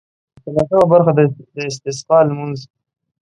اتلسمه برخه د استسقا لمونځ.